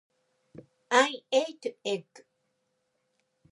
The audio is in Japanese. I ate egg.